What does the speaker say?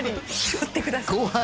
拾ってください。